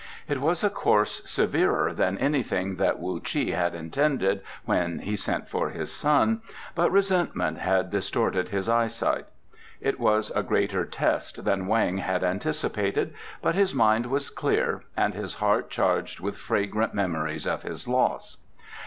It was a course severer than anything that Wu Chi had intended when he sent for his son, but resentment had distorted his eyesight. It was a greater test than Weng had anticipated, but his mind was clear, and his heart charged with fragrant memories of his loss.